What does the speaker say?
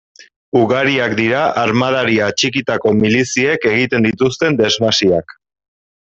Ugariak dira armadari atxikitako miliziek egiten dituzten desmasiak.